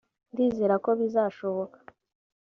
ndizera ko bizashoboka